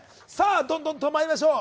どんどんとまいりましょう。